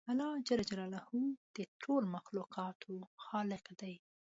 الله جل جلاله د ټولو مخلوقاتو خالق دی